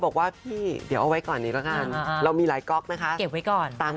บอกใครด้วยมั้ยคะ